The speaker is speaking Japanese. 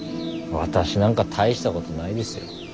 私なんか大したことないですよ。